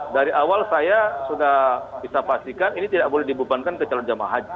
dari awal saya sudah bisa pastikan ini tidak boleh dibebankan ke calon jemaah haji